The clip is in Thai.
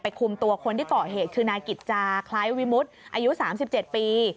คุมตัวคนที่เกาะเหตุคือนายกิจจาคล้ายวิมุติอายุ๓๗ปี